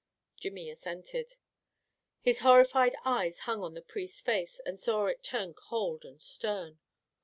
Jimmy assented. His horrified eyes hung on the priest's face and saw it turn cold and stern.